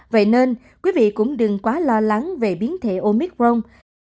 vậy nên quý vị cũng đừng quá lo lắng về biến thể omicron